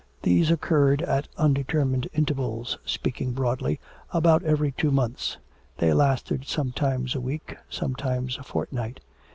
These occurred at undetermined intervals, speaking broadly, about every two months; they lasted sometimes a week, sometimes a fortnight.